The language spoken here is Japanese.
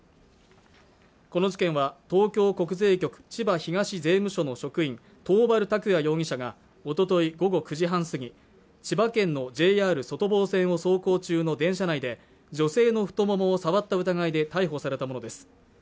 この事件は東京国税局千葉東税務署の職員と桃原卓也容疑者がおととい午後９時半過ぎ千葉県のＪＲ外房線を走行中の電車内で女性の太ももを触った疑いで逮捕されたものです